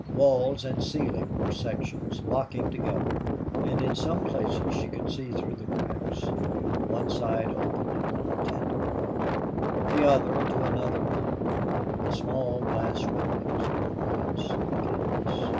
Walls and ceiling were sections, locking together, and in some places she could see through the cracks. One side opened upon a tent wall; the other into another room; the small glass windows upon a house of canvas.